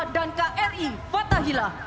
dan kri fatahillah